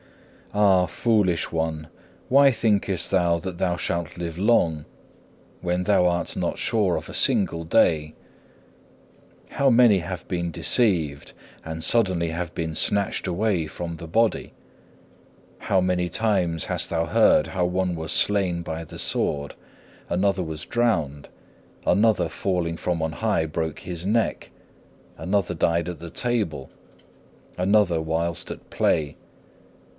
7. Ah, foolish one! why thinkest thou that thou shalt live long, when thou art not sure of a single day? How many have been deceived, and suddenly have been snatched away from the body! How many times hast thou heard how one was slain by the sword, another was drowned, another falling from on high broke his neck, another died at the table, another whilst at play!